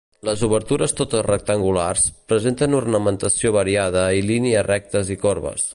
Les obertures, totes rectangulars, presenten ornamentació variada i línies rectes i corbes.